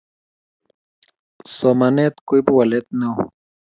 somanet koipu walet neo